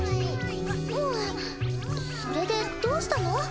ううんそれでどうしたの？